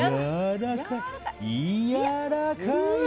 やわらかい！